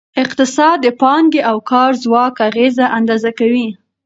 اقتصاد د پانګې او کار ځواک اغیزه اندازه کوي.